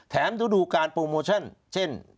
ฤดูการโปรโมชั่นเช่น